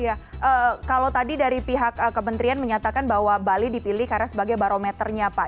iya kalau tadi dari pihak kementerian menyatakan bahwa bali dipilih karena sebagai barometernya pak